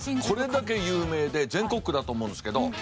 これだけ有名で全国区だと思うんですけど。